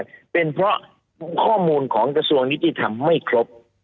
มันเปราะข้อมูลของกระทรวงยุติธรรมไม่ครบ